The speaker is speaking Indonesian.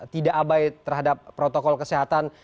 tidak abai terhadap protokol kesehatan